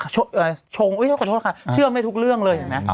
ช่วงขอโทษค่ะเชื่อไม่ทุกเรื่องเลย